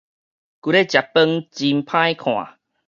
跍咧食飯真歹看